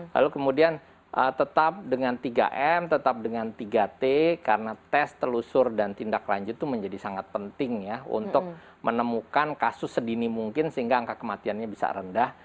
lalu kemudian tetap dengan tiga m tetap dengan tiga t karena tes telusur dan tindak lanjut itu menjadi sangat penting ya untuk menemukan kasus sedini mungkin sehingga angka kematiannya bisa rendah